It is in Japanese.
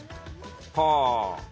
はあ。